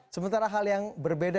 sementara hal yang berbeda